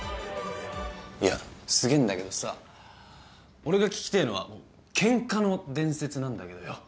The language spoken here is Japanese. いやすげえんだけどさ俺が聞きてえのはケンカの伝説なんだけどよ。